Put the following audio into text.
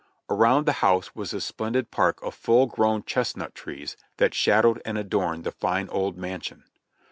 Around the house was a splendid park of full grown chestnut trees that shadowed and adorned the fine old mansion.